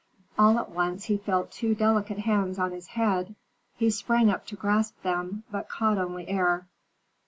All at once he felt two delicate hands on his head. He sprang up to grasp them, but caught only air.